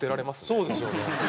そうですよね。